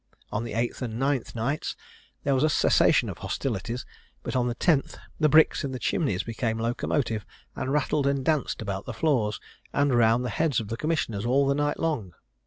On the eighth and ninth nights, there was a cessation of hostilities; but on the tenth the bricks in the chimneys became locomotive, and rattled and danced about the floors, and round the heads of the commissioners all the night long.